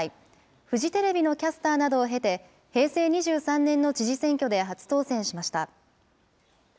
フジテレビのキャスターなどを経て、平成２３年の知事選挙で初当選しました。